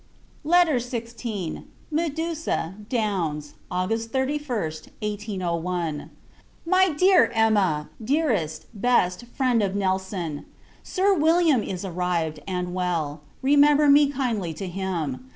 LETTER XVI. Medusa, Downs, August 31st, 1801. MY DEAR EMMA! DEAREST, BEST, FRIEND OF NELSON, Sir William is arrived, and well; remember me kindly to him.